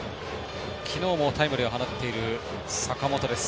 昨日もタイムリーを放っている坂本です。